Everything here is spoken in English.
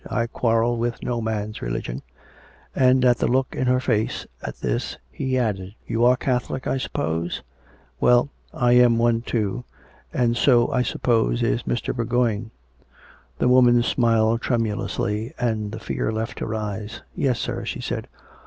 " I quarrel with no man's religion;" and, at the look in her face at this, he added: " You are a Catholic, I suppose ? Well, I am one too. And so, I suppose, is Mr. Bourgoign." The woman smiled tremulously, and the fear left her eyes. " Yes, sir," she said.